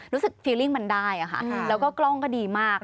รู้สึกความรู้สึกมันได้แล้วก็กล้องก็ดีมาก